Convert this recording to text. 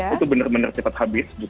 itu bener bener cepat habis